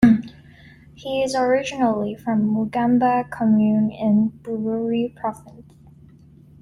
He is originally from Mugamba commune in Bururi Province.